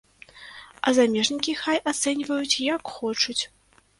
А замежнікі хай ацэньваюць, як хочуць.